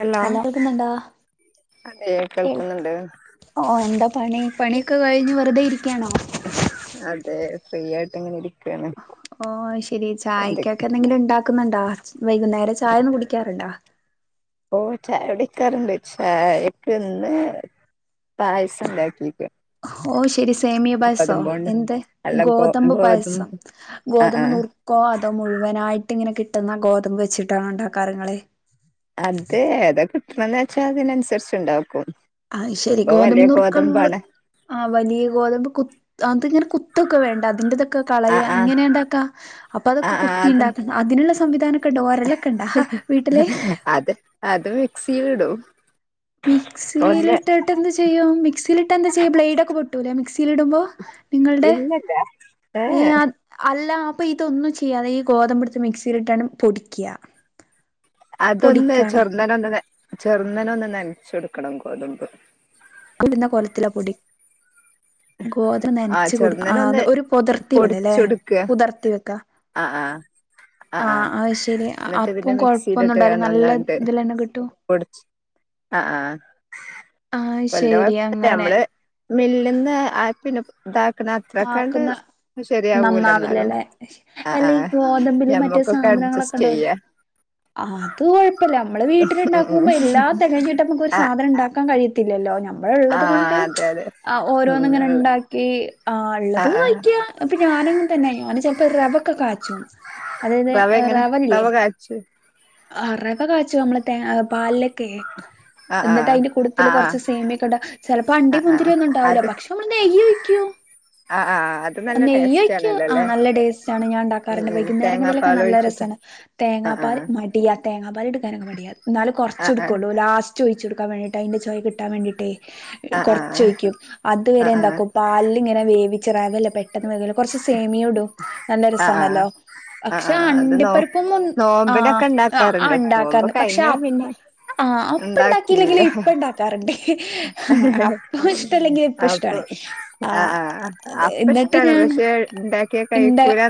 Hello എല്ലാവർക്കുംന്നണ്ടാ അതെ കേൾക്കുന്നുണ്ട് ഓ എന്താ പണി പണിയൊക്കെ കഴിഞ്ഞഞ് വെറുതെ ഇരിക്കയാണോ അത ഫ്രീ ആയിട്ട് എങ്ങനെ ഇരിക്കുവയാണ് ഓ ശരി ചായക്കൊക്കെ എന്തെങ്കിലും ഉണ്ട ന്നുണ്ടാ വൈകുന്നേരം ചായൊന്നന്ന് കുടിക്കാറുണ്ടാ ഓ ചായ കു ടിക്കാറുണ്ട് ചായക്ക് ഇന്ന് പായസം ഉണ്ടാക്കി ആ ഓ ശരി സേമിയ പായസോ ഗോതമ്പോണ്ട് എന്ത് അല്ല ഗോ ഗോതമ്പ് പായസം ഗോതമ്പ് ആ ആ ഗോതമ്പ് നുറുക്കോ അതോ മുഴുവനായിട്ട് ഇങ്ങനെ കിട്ടുന്ന ഗോതമ്പ് വെച്ചിട്ടാണ ഉണ്ടോ കാര്യങ്ങളെ അത ഏതാ കിട്ടണന്ന് വെച്ചാ അതിനനുസരിച്ച ഉണ്ടാക്കും ആഹ് ശരി ഇപ്പൊ ഗോതമ്പ വലിയ നുറുക്ക നിങ്ങള് ഗോതമ്പാണ് ആ വലിയ ഗോതമ്പ് കു അന്ത ഇങ്ങനെ കുത്തൊക്കെ വേണ്ട അതിന്റതൊക്കെ ആ കളയ ആ ഇങ്ങനെണ്ടാക്ക അപ്പൊ ആ അതൊക്കെ ആ കൊത്തി അത് ഉണ്ടാക്കണം അതിനുള്ള സംവിധാനൊക്കെ ഉണ്ടോ ഒരലൊക്കെ ഉണ്ടാ വീട്ടില് അത് അത് മിക്സി ഇടും മിക്സിയിലിട്ടിട്ട് എന്ത് ചെയ്യോ മിക്സിയിലിട്ട് എന്താ ചെയ്യും ബ്ലേഡ് ഒക്കെ പൊട്ടൂല മിക്സി ടുമ്പോ നിങ്ങളുടെ ഇല്ലല്ല ഏ അല്ല അപ്പൊ ഇതൊന്നും ചെയ്യാതെ ഈ ഗോതമ്പുടുത്ത് മിക്സിയിലിട്ടാണ് പൊടിക്കുക അതൊന്ന് ചെറുന്നന ഒന്ന് ചെറുന്നന ഒന്ന് നനച്ചൊടുക്കണം ഗോതമ്പ് ഉടുന്ന കൊലത്തിലെ പൊടി ഗോതര ആ നനച്ച കൊടുക്ക ആ ചെറുന്നനൊന്ന് അ ഒരു പുതിർത്തി വള്ള അല്ലേ പുതിർത്തി വെക്കാ ആ ആ ആ ആ് ശരി എന്നിട്ട് പിന്നെ അപ്പം കൊഴപ്പൊന്നും ഉണ്ടാവില്ല നല്ല മിക്സിയിലിട്ട്ന്നട്ട് ഇതിലന്നെ കിട്ടും ആ ആഹ് ആഹകൊല്ല ശരി കുഴപ്പ അങ്ങനെ നമ്മള് മില്ലുന്ന പിന്നെ അത്ര കണ്ട് ആക്കുന്ന ശെരിയാവൂല എന്നാലും നന്നാവില്ലല്ലേ അല്ല ആ ഈ ഗോതമ്പില് മറ്റേ ഞമ്മക്കൊക്കെ സാധനങ്ങളൊക്കെ സ്റ്റ് ഉണ്ടാവില്ലേ ചെയ്യ അത് കൊഴപ്പമ നമ്മള് ഉം ഉം വീട്ടിലുണ്ടാക്കുമ്പോ എല്ലാ തികഞ്ഞിട്ട് നമ്മക്ക് ഒരു ആഹ് സാധനം ഉണ്ടാക്കാൻ കഴിയത്തില്ലല്ലോ മ്മ നമ്മള ഉള്ളത് കൊണ്ട് ആഹ് അതെ അതെ ഉം ഓരോന്ന ഇങ്ങനെ ആഹ് ഉണ്ടാക്കി ആ ഉള്ളത് ആഹ് കായിക്ക ഇപ്പൊ ഞാനങ്ങങ് തന്നൊയി ചെപ്പോ റബ്ക്കെ കാച്ചു റവ എങ്ങനെ റവ കാച്ച അറവ കാച്ചു നമ്മള് ത പാലൊക്കെ ആഹ് എന്നിട്ട് ആഹ് അതിന്റെ കുടത്തിൽ ആഹ് കുറച്ച് സേമിയൊക്കെ ഉണ്ടാ ചെപ്പോ അണ്ടി ആഹ് മുന്തിരി ആഹ് ഒന്നും ഉണ്ടാവില്ല അത് പക്ഷ നമ്മ നെയ്യി വയ്ക്കോ ആഹ് ആഹ് അത് നല്ല ടേസ്റ്റ് നെയ്യക്ക് ആണല്ലോ ആ അല്ലേ നല്ല ഡടേസ്റ്റ്ണ് ഞാൻ ഉം ഉണ്ടാക്കാറുണ്ട് ഉം വൈകുന്നേരങ്ങളിലൊക്കെ തേങ്ങാപ്പാൽ നല്ല ഒഴിച്ചിട്ട് രസമാണ് ആഹ് തേങ്ങാപ്പാൽ ആഹ് മടിയ തേങ്ങാപ്പാല എടുക്കാന അ എന്നാല ആഹ് കുറച്ച്ടുക്കുള്ളള്ളൂ ലസ്റ്റ് ഒഴിച്ചുടുക്കാൻ വേണ്ടീട്ട്തിന്റെ ചോവാ കിട്ടാൻ വേണ്ടീട്ടേ ആഹ് ആഹ് ആഹ് കൊറച്ചൊയ്ക്കും അതുവരെ ആഹ് ആഹ് എന്താക്കും പാല ഇങ്ങനെ വേവിച്ചറാവല്ല പെട്ടെന്ന് വ കൊറച്ച് സേമിയ ഇടും നല്ല ആഹ് രസമാണല്ലോ ആഹ് ആഹ് പക്ഷെ ആഹ് അത് നോ അണ്ടിപ്പരിപ്പം മുൻ ആ നോമ്പിനൊക്കെ ഉണ്ടാക്കാറുണ്ട് നോമ്പ് ഉണ്ടാക്കാന്ന് പക്ഷെ കഴിഞ്ഞാ പിന്നെ ആ അപ്പ ഉണ്ടാക്കിയില്ല ഇണ്ടാക്കിയില്ലെങ്കില് ഇപ്പ ഉണ്ടാക്കാറുണ്ട് അപ്പെ ഇഷ്ടമല്ലെങ്കില് ഇപ്പെ അപ്പൊ ഇഷ്ടാണ് ആഹ് ആ അപ്പ ഇഷ്ടാണ് പക്ഷെ ഉണ്ടാക്കിയ കഴി ഇട്ടാക്കിയാൽ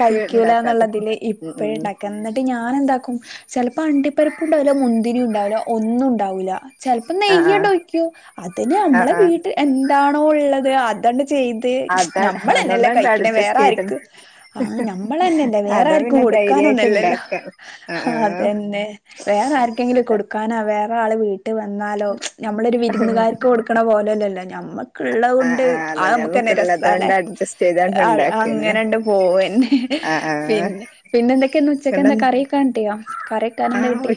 കഴിക്കൂല എന്നുള്ളതില് ഉം ഇപ്പോഴ ഉം ഉണ്ടാക്ക എന്നിട്ട് ഞാൻ എന്താക്കും ചിലപ്പോ ഉ അട്ടിപ്പരിപ്പ് ഉണ്ടാവില്ല മുന്തിരി ഉണ്ടാവില്ല ഒന്നും ഉണ്ടാവില്ല ചിലപ്പോ ആഹ് ആഹ് നെയ്യടോയ്ക്കോ അതിന് ആഹ് നമ്മളെ ആഹ് വീട്ടിൽ എന്താണോ ഉള്ളത് അത് ചെയ്ത് അതാ നമ്മൾ തന്നെല്ല അതുകൊണ്ടാണ്ട് കഴിക്ക അഡ്ജസ്റ്റ് ചെയ്ത് വേർക്ക് ആ നമ്മൾ തന്നെല്ല അതാ വേരാർക്കും പിന്നെ ധൈര്യായിട്ട് കൊടുക്കാനൊന്നല്ലല്ലോ ഇണ്ടാക്ക ആഹ് ആഹ് അതന്നെ വേണം ആർക്കെങ്കിലും കൊടുക്കാനാ വേ രാൾ വീട്ടിൽ വന്നാലോ നമ്മളൊരു വിരുന്നുകാർക്ക് കൊടുക്കണ പോലെല്ലല്ലോ നഞമ്മൾക്കുള്ളത് ആഹ് കൊണ്ട് ആഹ് ആ അതെ നമുക്ക് തന്നെ ഞമ്മക്കുള്ളത് രസല്ലേ കൊണ്ട് അഡ്ജസ്റ്റ് ചെയ്താണ്ട് ഉണ്ടാക്കിയല്ലേ അങ്ങനെണ്ട് പോവെന്നെ ആഹ് ആഹ് പിന്നെ പിന്നെ എന്തൊക്കെയാന്ന് ഉച്ചക്കെ എന്താ ഇന്നെന്താ കറി വെക്കാൻട്ടിയ കറി വക്കാൻെന്താ കിട്ടി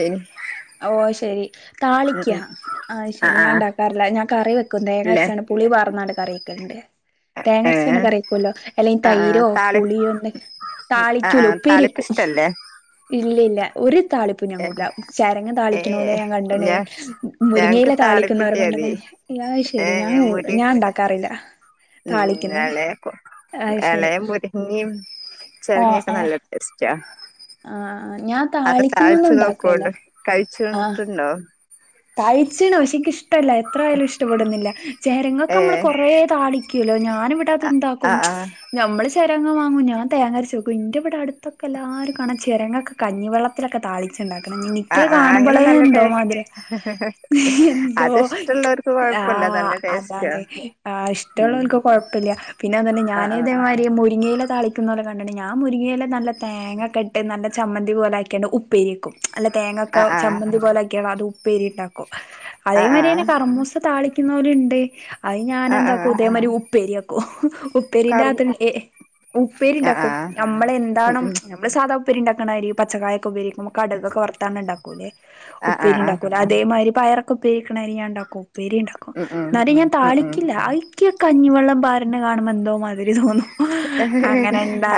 പിനി ഓ ശരി താളിക്ക ആ ശരി ആഹ് ഞാൻ ആഹ് ഉണ്ടാക്കാറില്ല ഞാൻ കറി വെ തേങ്ങ ഇല്ലേ അരച്ചാണ് പുളി പറാന്നാട് കറിവെക്കൽണ്ട് ഏ തേങ്ങരച്ചണ് കറക്കുമല്ലോ അല്ലെങ്കിൽ ആ ആ തൈരോ താളി പുളിയോന്തൊ ആ ആ താളിക്കൂല താളിപ്പ് ഉപ്പേരക്കും ഇഷ്ടല്ലേ ഇല്ലല്ല ഒരു താളിപ്പും ഞാൻ ഏ കൂടുലാ ചരങ്ങ് ഏ താളിക്കണല്ലേ ഞാൻ ഞ കണ്ടണേ ഞങ്ങക്ക് മുരിങ്ങയില താളിക്കുന്നവർ കൊണ്ടത താളിപ്പിട്ടിയാതി ഏ ശരി ഞാൻ മുരി ഞാൻ ഉണ്ടാക്കാറില്ല ഉം താളിക്കുന്നത് ഇളയക്ക അത് ശെരി ഇളയ മുരി നീ ഓ ചരങ്ങിയൊക്കെ ആഹ് നല്ല ടേസ്റ്റാ ആഹ് ഞാൻ താളിക്കുന്നൊന്നും തഴച്ചു ഉണ്ടാക്കലില്ല നോക്കോണ്ട് കഴിച്ചണ്ടിട്ടുണ്ടോ കഴിച്ച്ണ് പക്ഷെ എനിക്ക് ഇഷ്ടമല്ല എത്രയാലും ഇഷ്ടപ്പെടുന്നില്ല ചേരങ്ങൊക്കെ ഏ നമ്മള് കൊറേ താളക ല്ലോ ഞാനിവിടെ അത് ആ ഇടാക്കും ആ ആ നമ്മള് ശ ചിരങ്ങ വങ്ങും ഞാൻ തേങ്ങരച്ചുക്ക ഇന്റെ ഇവിടെടുൊക്കെ എല്ലാരുംണ ചിങ്ങൊക്ക കഞ്ഞിവെള്ളത്തിലൊക്കെ താളിക്കും ഉണ്ടാക്കണം ആ ആ അങ്ങനെ കാണുമ്പോളേ നല്ല എന്തോ ടേസ്റ്റ് മാതിരി എന്തോ അത് ഇഷ്ടള്ളോർക്ക് ആ കൊഴപ്പല്ല നല്ല ടേസ്റ്റാ അതാണ് ഉം ഇഷ്ടമുള്ളവർക്ക് കുഴപ്പമില്ല പിന്നെന്നെ ആ ഞാന ആ ഇതേമാതിരി മുരിങ്ങയിലെ താളിക്കുന്ന കണ്ട്ക്ണ് ഞാൻ മുരിങ്ങയില തേങ്ങ ഇട്ട് ചമ്മന്തി പോലെ ആക്കി ഉപ്പേരി വെക്കും ആ ആ ചമ്മന്തി പോലക്കെയത് ഉപ്പേരിണ്ടാക്കും ആ അതെ പോലെ ആ കറുമൂസ ന്നലണ്ട് അത് ആ ആ ഞാാനെന്താക്കോ അതേ മാതിരി ഉപ്പേരിയാക്കും ഉപ്പേരിന്റെ കറു അത് അ ഉപ്പേരി ആ ആ ഉണ്ടാക്കും നമ്മള ഉം എന്താണോ ഉം നമ്മള് സാധാ ഉപ്പേരി ഉണ്ടക്കുന്ന പോലെ പച്ചക്കായൊക്കെപരിക്കുമ്പ കടൊക്കെ വർത്ത ഉണ്ടൂലേ ആ ആ ഉപ്പേരി ആ ഉണ്ട അതേ മാതിരി പയറൊക്കെ പേരിക്കണ ഞാൻ ഉണ്ടാക്കും ഉ പേരി ഉണ്ടാക്കും ഉം ഉം എന്നാലും ഞാൻ ഉം ഉം താളിക്കില്ല എ കഞ്ഞിവെള്ളം പാറിനെ കാണുമ്പോൾ എന്തോ മാതിരി തോന്നും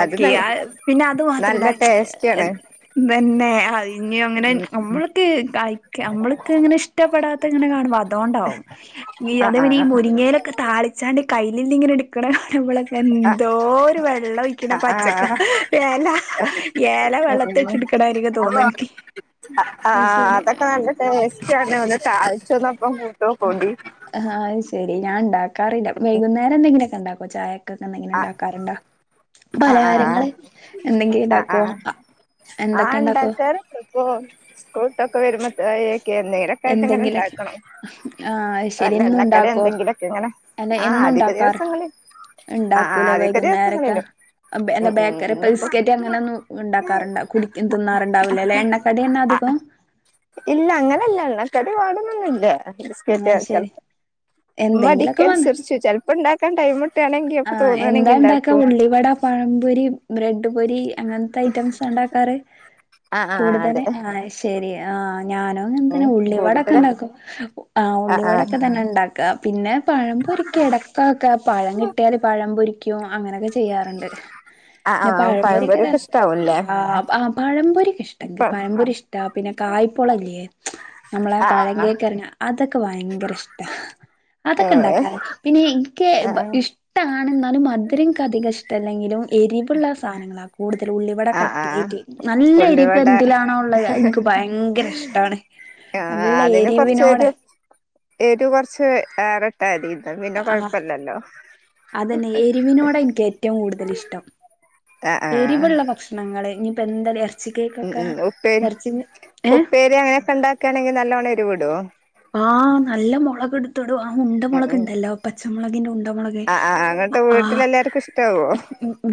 അത് നല്ല പിന്നെ അത് നല്ല മാത്രല്ല ടേസ്റ്റാണ് തന്നെ അതിഞ്ഞ അങ്ങനെ ഉം നമ്മൾക്ക് കഴ നമ്മൾക്ക് അങ്ങനെ ഇഷ്ടപ്പെടാത്ത ഇങ്ങനെ കാണുമ്പോ അതുകൊണ്ടാവും ആഹ് അത ഈ ആഹ് മുരിങ്ങയിലൊക്കെ താളിച്ചാണ്ട് കയ്യിലിൽ ഇങ്ങനെ എടുക്ക്ണ കാണുബോൾ ഇമ്മളൊക്കെ ആഹ് എന്തോ ഒരു വെള്ളം ഒഴിക്കണ ആഹ് പച്ചക്ക ആഹ് ഏല ഏല വെള്ളത്തി മത്ത്ട്ട്ട്ട് കടായിരിക തോന്നകി ആഹ അതൊക്കെ നല്ല ടേസ്റ്റ് ആണ് ഒന്ന് തഴച്ചന്നപ്പം തോക്കണ്ടി ആഹ് അത് ശെരി ഞാൻ ഉണ്ടാക്കാറില്ല വൈകുന്നേരം എന്തങ്കിലൊക്കെ ഉണ്ടാക്കോ ചായൊക്കൊക്കെന്തെങ്കിലും ആഹ് ഉണ്ടാക്കാറുണ്ടോ ആഹ് ആഹ് പലഹാരങ്ങള് എന്തെങ്കിലും ആഹ് ഉണ്ടാക്കോ ആഹ് ആഹ് ഉണ്ടാക്കാറ് ഇപ്പൊ സ്കൂട്ടൊക്കെ വരുമ്പോ ഒക്കെ നേരൊക്കായിട്ട്ങ്ങനെണ്ടാക്കും ഉണ്ടാക്കണം ആഹ ശരി എന്നുണ്ടാക്കോ ഇങ്ങനെ അല്ല ആഹ് അധിക എന്നുണ്ടാക്കാർ ദിവസങ്ങളിൽ ആഹ് ആഹ് ഉണ്ടാക്കൂലേ അധിക വൈകുന്നേരൊക്കെ ദിവസങ്ങളിലും അല്ല ഉം ഉം ബേക്കറി ഇന്നിപ്പോ പിസ്കറ്റ് അങ്ങനെ ഒന്നും ഉണ്ടാക്കാറുണ്ട കുട തിന്നാറുണ്ടാവില്ലേ അല്ല എണ്ണക്കട എണ് [unintelligible] ഇല്ല അങ്ങനെല്ല ള്ളക്കടി വാണന്നൊന്നുല്ല ബിസ്കറ്റ് ആഹ് ചെൽ ശരി എന്തെങ്കിലൊക്കെ വന്ന് മടിക്കനുസരിച്ച് ചെൽപ്പണ്ടാക്കാൻ ടൈമ് ആഹ് എന്താണ്ടാക്കാ ഉള്ളിവട പഴം പൊരി ബ്രട് ട് പൊരി അങ്ങൻത്തെ ഐറ്റംസാണ്ടാക്കാറ് ആഹ് ആഹ് കൂടുതല് അതെ അങ്ങനെ അയ്ഷരി ആഹ് ഞാനും ഉം അങ്ങൻതന്നെ കൂടുതലാ ഉള്ളിവടൊക്കെണ്ടാക്കും ആഹ് ഉള്ളിവടൊക്കെ തന്നെണ്ടാക്കാ പിന്നെ പഴം പൊരിക്കാ ഇടക്കൊക്കെ പഴം കിട്ടിയാല് പഴം പൊരിക്കും അങ്ങനൊക്കെ ചെയ്യാറുണ്ട് ആഹ് പിന്നെ ആഹ് പഴമ്പൊെരി ഒക്കെ പഴംപൊരിയൊക്കെ രസാ ഇഷ്ടാവുംല്ലേ ആഹ് പഴമ്പൊരിക്ക്ഷ്ടാ ഇപ്പ പഴംമ്പൊരി ഇഷ്ടാ പിന്നെ ക കായ്പോളല്ലേ നമ്മളെ ആഹ് പഴം ആഹ് കേക്കർഞ്ഞ അതൊക്കെ ഭയങ്കര ഇഷ്ടാ ഏഹ് അതൊക്കെണ്ടാക്കാറ്ണ്ട് പിന്നെ ഇൻക്ക് ആഹ് ഇഷ് ടാണ്ന്നാലും മധുരംൻക്കധിക ഇഷ്ടല്ലെങ്കിലും എരിവുള്ള സാധനങ്ങളാ കൂടുതല് ഉള്ളിവിട ആഹ് ആഹ് കട്ടിലേറ്റ് നല്ല എരിവ് ഉള്ളിവട എന്തിലാണോ ഉള്ളത് അത്‌ൻക്ക് ഭയങ്കര ഇഷ്ടാണ് ആഹ് ആ നല്ല അതിന് കൊർച്ചൊര് എരിവിനോടെ എരു കൊർച്ച് ഏറെട്ടാതിന്നാ പിന്നെ ആ കൊഴ്പ്പല്ലല്ലോ അതന്നെ എരിവിനോടാ ഇൻക്കേറ്റവും കൂടുതൽ ഇഷ്ടം ആഹ് ആഹ് എരിവുള്ള ഭക്ഷണങ്ങൾ ള് ഇനിയിപ്പോ എന്തായാലും എർ ഉം ഉം ഉപ്പേരി ഏഹ് ഉപ്പേരി അങ്ങനെയൊക്കെ ഉണ്ടാക്കുകയാണെങ്കിൽ നല്ലവണ്ണം എരിവിടോ ആഹ് നല്ല മൊളക് ഇടുത്ത് ടും ആ ഉം ഉം ഉണ്ടമുളക്ണ്ടല്ലോ പച്ചമുളകിന്റെ ഉണ്ടമുളക് ആഹ് ആഹ് അ അങ്ങട്ട് ആ ഹാ വീട്ടിലെല്ലാർക്കും ഇഷ്ടാവോ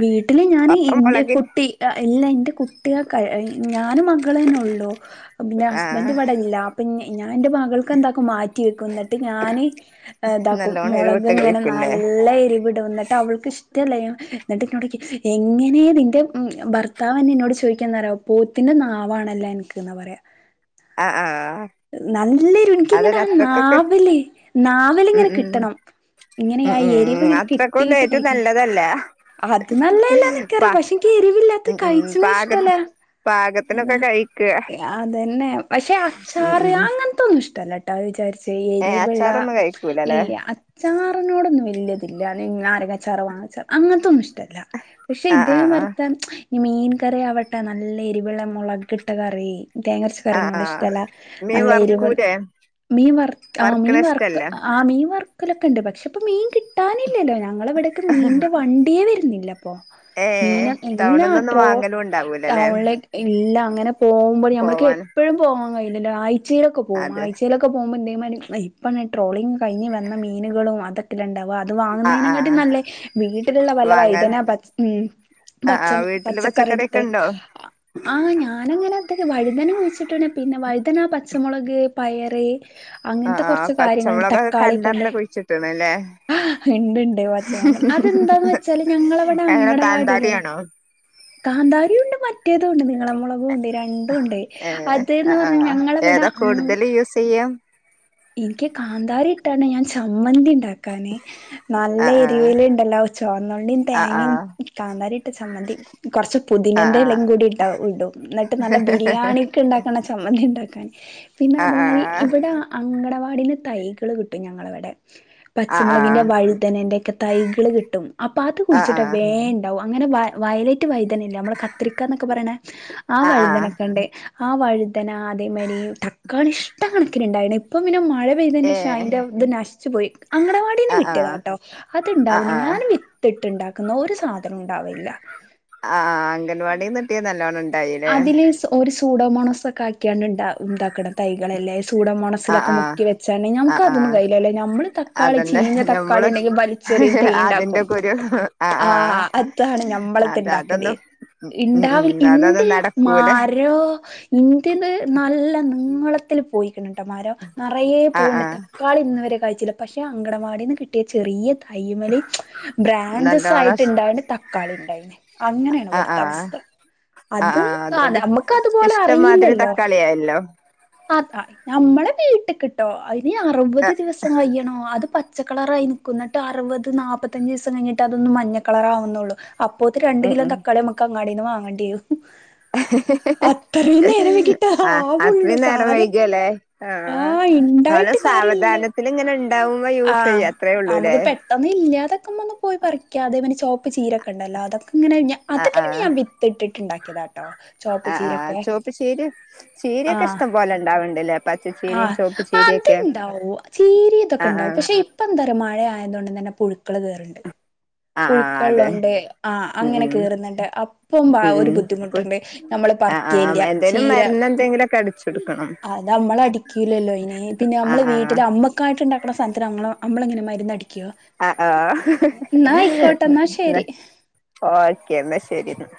വീട്ടില് ഞാന് അപ്പം ഇന്റെ മുളകിൻ കുട്ടി അ എല്ലാ ന്റെ കുട്ടികൾക്കയ ഐ ഞാനും മകളന്നെ ഒ ള്ളൂ ഉം പിന്നെ ആഹ് ഹസ്ബന്റ് ഇവടെ ഇല്ലാ അപ്പഞ്ഞി ഞാൻ ന്റെ മകൾക്ക് എന്താക്കും മാറ്റ് റ്റി വെക്കും ന്നട്ട് ഞാന് ഇതാക്കും നല്ലോണം മൊളക് എരിവിട്ട് ഇങ്ങനെ കഴിക്കുംല്ലേ നല്ല എരിവിടും ന്നിട്ട് അവൾക്ക് ഇഷ് ട്ടല്ലേയ്ഞ്ഞു ന്നിട്ട് ന്നോടോയ്ക്കും എങ്ങനേ നിന്റെ ഉം ഭർത്താവ് എന്നെ എന്നോട് ചോദിക്കാന്നറിയോ പോത്തിനെ നാവാണല്ലോ അൻക്ക്ന്നാപറയാ ആ ആഹ് ഇൻക്കിങ്ങടെ അതൊരു ആ അത്രക്കൊക്കെ നാവ് ല് ഉം നാവലിങ്ങനെ ഉം കിട്ടണം ഇങ്ങനെ ഉം ആ എരിവ് ഉം ഇങ്ങനെ അത്രക്കൊന്നും കിട്ടീയിട്ട് ഏറ്റവും കയ്ക്കലാ നല്ലതല്ല അത് നല്ലല്ലാനിക്കറിയാ പാ പക്ഷേ ൻക്ക് ഉം എരിവില്ലാത്തത് ഉം കയ്ച്ച്ണത് പാക ഇഷ്ടല്ല പാകത്തിനൊക്കെ അതാ കഴിക്ക എ ആ അതന്നെ പക്ഷേ ഉം അച്ചാറ് ഉം അങ്ങൻത്തൊന്നും ഇഷ്ടല്ലട്ടാ അത്‌ വിചാരി പക്ഷേ ഏഹ് എരിവിള്ള അച്ചാറൊന്നും കഴിക്കൂലല്ലേ ഇല്ല അച്ചാറിനോടൊന്നും വല്ല്യത് ത്ല്ല്യ [unintelligible] നാരങ്ങച്ചാറ് വാങ്ങച്ചാറ് അങ്ങൻത്തൊന്നും ഇഷ്ടല്ല പക്ഷേ ആഹ് ആഹ് ആഹ് ഇതേമാര്ത്തെ ഇനി മീൻ കറി ആവട്ടെ നല്ല എരിവിള്ള മുളകിട്ട കറി തേങ്ങച്ച ആഹ് കറിനോനോട് ആഹ് ഇഷ്ടല്ല മീൻ നല്ല ഇരുവു വറക്കൂലേ മീൻ വർ ആഹ് വറക്കണ മീൻ വർക്ക് ഇഷ്ടല്ലേ ആ മീൻ വർ ക്കലൊക്കെണ്ട് പക്ഷേ ഇപ്പോ മീൻ കിട്ടാനില്ലല്ലോ ഞങ്ങളെവിടയൊക്കെ മീൻ ണ്ടിയേ വര്ന്നില്ലപ്പോ മീൻ ഏഹ് ഇല്ലാ ടൗണിന്നൊന്നും ട്രോ വാങ്ങലും ഉണ്ടാവൂലല്ലേ ടൗൺലേറ്റെ ഇല്ലാ അങ്ങനെ പോകുമ്പള് നമ്മക്ക് പോവാൻ എപ്പഴും പോവാൻ കഴിയില്ലല്ലോ ആഴ്ചയിലൊക്കെ പോകും അതെ ആഴ്ചയിലൊക്കെ പോകുമ്പോ എന്തെ ഇപ്പ ട്രോളിങ് കഴിഞ്ഞ് വന്ന മീനുകളും അതൊക്കെല്ലേണ്ടാവ അത് ആഹ് ആഹ് വാങ്ങുന്നതിനെകാട്ടിം നല്ലേഹ് വീട്ടില്ള്ള വല്ല വാങ്ങാൻ വൈദന പ ആഹ് പച്ച ആഹ് വീട്ടില് പച്ചക്കറിയൊക്കെ പച്ചക്കറിട്ത്ത് ഉണ്ടോ ആഹ് ഞാനങ്ങനെ ത് വഴുതന കുഴിച്ചിട്ട്ണ് പിന്നെ വഴുതനാ, പച്ചമുളക്, പയറ് ആഹ് അങ്ങൻത്തെ ആഹ് കോർച്ച് കാര്യങ്ങള്ണ്ട് പച്ചമുളകൊക്കെ തക്കാളിക്കെ ഇണ്ട് കണ്ടറിഞ്ഞ് കുഴിച്ചിട്ടണല്ലേ ഇണ്ട് ഇണ്ട് പച്ചമോളക് അതെന്താന്ന് വെച്ചാല് ഞങ്ങളവടെ എങ്ങനെ അങ്കടവാടില്ലേ കാന്താരിയാണോ കാന്താരി ഉണ്ട് മറ്റ ളമോളകു ഉണ്ട് രണ്ടും ഇണ്ട് ഏ ആ അത്ന്ന് ആ പറഞ്ഞ ഞങ്ങളവടെ ഏതാ അങ്‌ കൂടുതൽ യൂസ് ചെയ്യാ ഇൻക്ക് കാന്താരി ഇട്ടാണ്ട് ഞാൻ ചമ്മ ചമ്മന്തി ഇണ്ടാക്കാന് നല്ല ആ എരിവ്ല് ഇണ്ടല്ലോ ചുവന്നള്ളീം ആ ആ തേങിം കാന്താരി ചമ്മന്തി കോർച്ച് ആ ആ പോതിനെറ്റെലിം കൂടി ഇണ്ടാവും [unintelligible] ഇന്നട്ട് നല്ല ബിരിയാണിക്ക്ണ്ടാക്ണ ചമ്മന്തി ഇണ്ടാക്കും പിന്നെ ആ ആ ആ അതുമാരി ഇവിടെ അങ്കടവാടിന്ന് തൈകള് കിട്ടും ഞങ്ങളവടെ ആ പച്ചമുളകിന്റെ വഴുതനന്റെ ഒക്കെ തൈകള് കിട്ടും അപ്പൊ അത് ആ ആ കുഴിച്ചിട്ട് വേണ്ടാവും അങ്ങനെ വ വയലറ്റ് വയ്തനല്ലേ നമ്മളെ കത്രിക്കന്നൊക്കെ പറയണ ആ വഴുതനൊക്കെ ഉണ്ട് ആ വഴുതന അതേമാതിരി തക്കാളി ഇഷ്ട കണക്കിന്ണ്ടായിനു. ഇപ്പ പിന്നെ മഴ ഏ പെയ്തതിന്റെക്ഷ അന്റെ ഇത് നശിച്ചു പോയി അങ്കണവാടിന്ന് ആ ആ കിട്ടിയതാ ട്ടോ ആ അത്ണ്ടാവുന്നു ആ ഞാൻ തതിട്ടുണ്ടാക്കുന്ന ഒരു സാധനംണ്ട് ആ, അംഗൻവാടിന്നട്ടിയ, നല്ലോണ ണ്ട് അതില്, സ്, ഒരു, സൂഡോമോണോസ്, ഒക്കെ, ആക്കിയാണ്ട്, ഇണ്ട, ഇണ്ടാക്കണ, തൈകളെല്ലെ ആ സൂടോമോണസിലൊക്ക ആ മുക്കി വച്ചാല് ആ ഞമ്മക്ക് ആ അതൊന്നും, കയ്യൂല്ലല്ലോ, ഞമ്മള്, തക്കാളി, അതന്നെ ചീഞ്ഞ ഞമ്മള് തക്കാളിണ്ടെങ്കി ചെറിയും, അതിന്റെ തെയ്ണ്ടാക്കും, കുരു ആ ആ ആഹ, അതാണ്, ഞമ്മളത് അത് ണ്ടാക്കല് അതൊന്നും ഉം ഉം ഇണ്ടാവിൽ, ഉം ഇ അതൊന്നും ഇ, നടക്കൂല മാരോ ഇന്റത് നല്ല നീളത്തില് പോയ്ക്ക്‌ണ് ട്ടമരൊ, നിറയെ, ആ ആ പൂണ്ടു, തക്കാളി ന്ന് വരെ, കായ്ചീല്ല, പഷേ, അംഗണവാടിന്ന് കിട്ടിയ, ചെറിയ അയ്മലി, നല്ലോണം ബ്രാഞ്ചസായിട്ട്ണ്ടായിട്ട്, തക്കാളി ണ്ടായിന്, അങ്ങനെയാണ്, ആ ആ ഇവിടുത്തെ, അവസ്ഥ. ആ അത്, ആ അതുകൊണ്ട് ഞമ്മക്ക്, അതുപോലെ ഇഷ്ടംമാതിരി അറിയില്ലല്ലോ. തക്കാളിയായല്ലോ അതാ, നമ്മളെ, വീട്ടക്ക് ട്ടോ, അത് ആ അറുവത്, ദിവസം കയ്യണം, അത് പ പച്ചക്കളറായി നിൽക്കുന്നിട്ടൊ അറുപത്, നാപ്പത്തഞ്ചീസം കയിഞ്ഞിട്ട് അതൊന്ന് മഞ്ഞ കളറാവ്ന്നൊള്ളു. അപ്പോത്തെ രണ്ട് ഉം കിലോ ഉം തക്കാളി മ്മക്ക് അങ്ങാടീന്ന് വാങ്ങേണ്ടിരും അത്രയും നേരം വെക്കിട്ട ആഹ് ആവുള്ളു, അത്രയും നേരം സാധന, വൈകിയല്ലേ ആ ആഹ് നല്ല ഉണ്ടായിട്ട് കാര്യല്ലേ സാവധാനത്തിൽ ഇങ്ങനെ ഉണ്ടാവുമ്പോ ആ യൂസ് ചെയ്യ അത്രേ ഉള്ളൂല്ലേ അമക്ക് പെട്ടെന്നില്ലാതാക്ക്മ്പപോ പറിക്ക അതെമാതിരി ചോപ്പ് ചീരൊക്കെണ്ടല്ലോ അതൊക്കെങ്ങനെ ഞ ആഹ് അതൊക്കെ പിന്നെ ഞാൻ വിത്തിട്ടിട്ട് ണ്ടാക്കിയതാട്ടോ. ആ ആ ആ ചോപ്പ് ചീരെ ചീരൊക്കെഷ്ടം പോലെ ണ്ടാവാല് ണ്ട് ലെ. ആ അത്ണ്ടാവും ചീരേതൊക്കെ ആഹ് ണ്ടാവും ആഹ് പക്ഷെ ഇപ്പ എന്താറയ മഴയായതുകൊണ്ട് തന്നെ പുഴു ക്കള് കേറ്ണ്ട്. ആഹ് ആഹ് അതെ പുഴുക്കൊള്ളണ്ട് ആ ഉം അങ്ങനെ ഉം കേറുന്നുണ്ട് അപ്പം ഉം ഒരു ഉം പു ബുദ്ധിമുട്ടുണ്ട് നമ്മള് ആഹ് പറക്കേല്ല ആഹ് എന്തേലും ചീര മരുന്ന് എന്തെങ്കിലുമൊക്കെ അടിച്ചെടുക്കണം അത ക്കില്ലല്ലോ അയ്ന് പിന്നമ്മള് ആഹ് വീട്ടില് അമ്മക്കായിട്ട് ണ്ടാക്ണ സാനത്തില് അമ്മള് എങ്ങനെ മരുന്ന് ആഹ ആഹ. ആയിക്കോട്ടെ എന്നാ ശരി ഓക്കെ എന്നാ ശരി ന്ന.